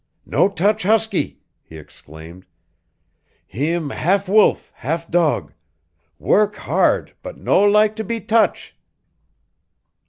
"No touch huskie!" he exclaimed. "Heem half wolf half dog work hard but no lak to be touch!"